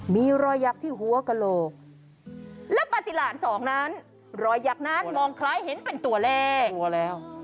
มีรอยยักษ์ที่หัวกระโหลกและปฏิหลานสองนั้นรอยยักษ์นั้นมองคล้ายเห็นเป็นตัวเลขตัวแล้ว